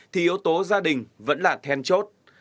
thì yếu tố gia đình vẫn là then chốt